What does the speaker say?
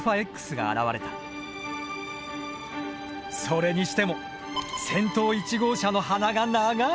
それにしても先頭１号車の鼻が長い！